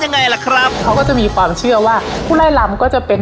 ยังไงล่ะครับเขาก็จะมีความเชื่อว่าผู้ไล่ลำก็จะเป็น